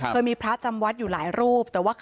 เคยมีพระจำวัดอยู่หลายรูป